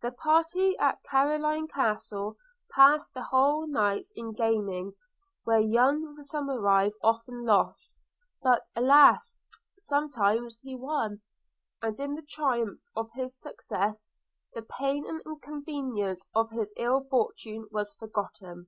The party at Carloraine Castle passed whole nights in gaming, where young Somerive often lost, but alas! sometimes won; and in the triumph of his success, the pain and inconvenience of his ill fortune was forgotten.